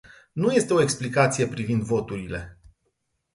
Nu este o explicație privind voturile.